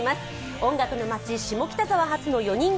音楽の街、下北発４人組